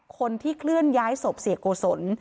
คนที่เคลื่อนย้ายศพเสียโกศล